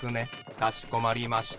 かしこまりました。